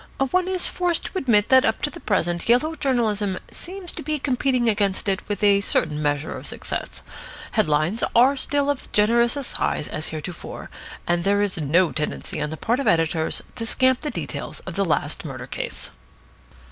One is forced to admit that up to the present yellow journalism seems to be competing against it with a certain measure of success. Headlines are still of as generous a size as heretofore, and there is no tendency on the part of editors to scamp the details of the last murder case.